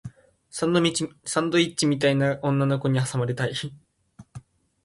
サンドイッチみたいに女の子に挟まれたい